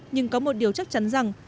nhưng có một điều chắc chắn rằng